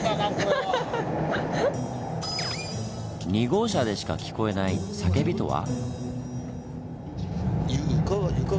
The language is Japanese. ２号車でしか聞こえない「叫び」とは？